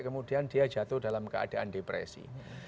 kemudian dia jatuh dalam keadaan depresi